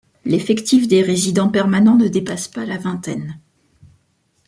L'effectif des résidents permanents ne dépasse pas la vingtaine.